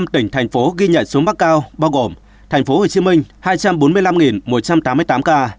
năm tỉnh thành phố ghi nhận số mắc cao bao gồm thành phố hồ chí minh hai trăm bốn mươi năm một trăm tám mươi tám ca